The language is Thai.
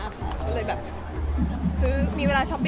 เขารู้อยู่กี่ตีมือสุดแล้วว่าเขาขาดแบบไหน